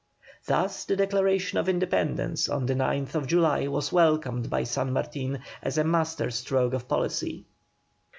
Thus the Declaration of Independence on the 9th July was welcomed by San Martin as a master stroke of policy.